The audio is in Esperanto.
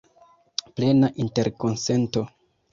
Plena interkonsento.